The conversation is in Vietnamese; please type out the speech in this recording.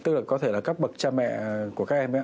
tức là có thể là các bậc cha mẹ của các em